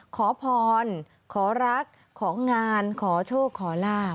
ขอพรขอรักของานขอโชคขอลาบ